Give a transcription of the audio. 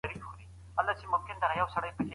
د شپې به مي د لالټین په رڼا کي مطالعې ته دوام ورکاوه.